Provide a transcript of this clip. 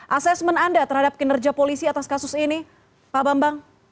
asesmen anda terhadap kinerja polisi atas kasus ini pak bambang